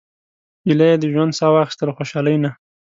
ایله یې د ژوند سا واخیسته له خوشالۍ نه.